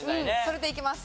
それでいきます。